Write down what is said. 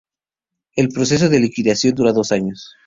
El proceso de liquidación dura dos años.